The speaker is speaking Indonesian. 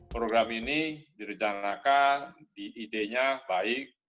program ini direncanakan di idenya baik